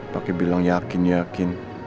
pakai bilang yakin yakin